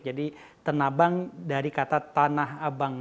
jadi tenabang dari kata tanah abang